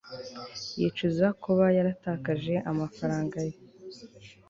yicuza kuba yaratakaje amafaranga ye